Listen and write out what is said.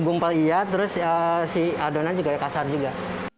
bumpel iya terus si adonan juga kasar juga